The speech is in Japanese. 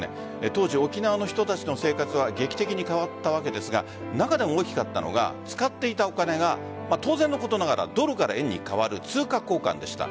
当時、沖縄の人たちの生活は劇的に変わったわけですが中でも大きかったのが使っていたお金が当然のことながらドルから円へ変わる通貨交換でした。